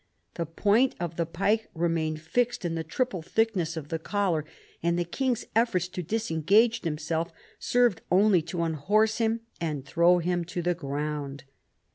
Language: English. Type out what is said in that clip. The point of the pike remained fixed in the triple thickness of the collar, and the king's efforts to disengage himself served only to unhorse him and throw him to the ground.